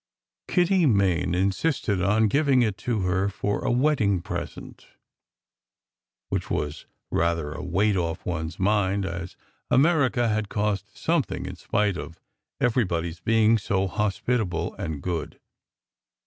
Kitty Main insisted on giving it to her for a wed ding present; which was rather a weight off one s mind, as America had cost something in spite of everybody s being so hospitable and good.